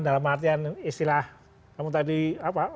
dalam artian istilah kamu tadi apa